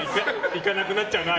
行かなくなっちゃうなあ